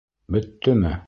Бөттөмө?